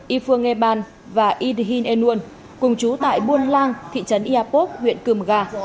i phương e ban và i hinh e nuôn cùng chú tại buôn lang thị trấn iapoc huyện cư mưa ga